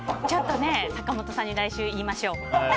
坂本さんに来週言いましょう。